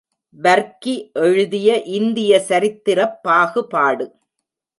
வர்க்கி எழுதிய இந்திய சரித்திரப் பாகுபாடு.